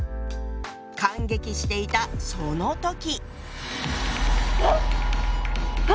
感激していたその時。